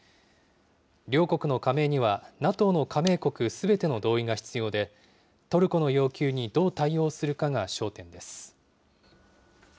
両国の加盟には、ＮＡＴＯの加盟国すべての同意が必要で、トルコの要求にどう対応するかが焦点です。